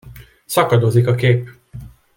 Szakadozik a kép.